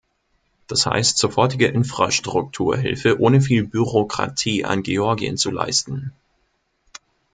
Das heißt, sofortige Infrastrukturhilfe ohne viel Bürokratie an Georgien zu leisten.